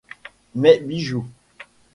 Mes Bijoux!